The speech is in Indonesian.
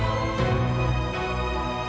aku akan menunggu